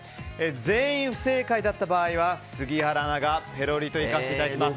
全員不正解だった場合は杉原アナがぺろりといかせていただきます。